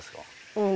うん。